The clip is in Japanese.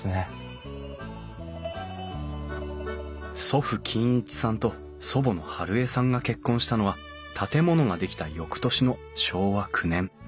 祖父金一さんと祖母の春枝さんが結婚したのは建物が出来た翌年の昭和９年。